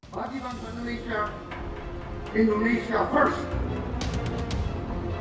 bagi bangsa indonesia indonesia first